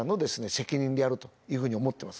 責任であるというふうに思ってます